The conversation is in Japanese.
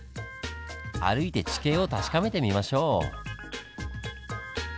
歩いて地形を確かめてみましょう！